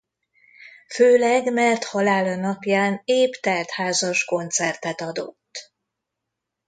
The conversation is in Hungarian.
Főleg mert halála napján épp telt házas koncertet adott.